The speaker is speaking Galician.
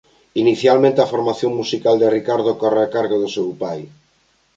Inicialmente a formación musical de Ricardo corre a cargo do seu pai.